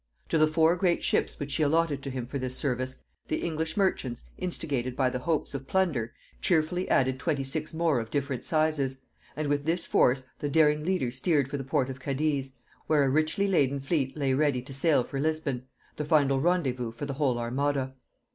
To the four great ships which she allotted to him for this service, the English merchants, instigated by the hopes of plunder, cheerfully added twenty six more of different sizes; and with this force the daring leader steered for the port of Cadiz, where a richly laden fleet lay ready to sail for Lisbon, the final rendezvous for the whole armada.